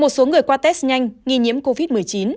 một số người qua test nhanh nghi nhiễm covid một mươi chín